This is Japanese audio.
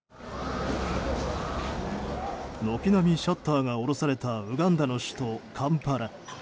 軒並みシャッターが下ろされたウガンダの首都カンパラ。